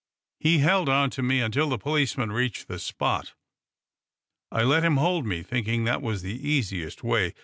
He held on to me until the policeman reached the spot. I let him hold me, thinking that the easiest way.